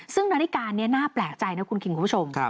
ซึ่งนาฬิกานี้น่าแปลกใจนะคุณคิงคุณผู้ชม